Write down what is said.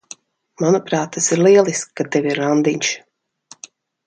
Manuprāt, tas ir lieliski, ka tev ir randiņš.